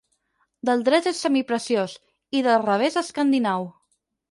Del dret és semipreciós i del revés escandinau.